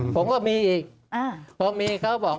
ผมก็มีอีกพอมีเขาบอก